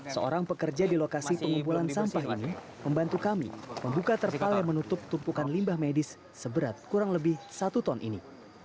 seorang pekerja di lokasi pengumpulan sampah ini membantu kami membuka terpal yang menutup tumpukan limbah medis seberat kurang lebih satu ton ini